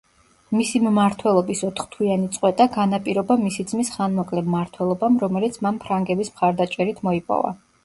მისი მმართველობის ოთხთვიანი წყვეტა განაპირობა მისი ძმის ხანმოკლე მმართველობამ, რომელიც მან ფრანგების მხარდაჭერით მოიპოვა.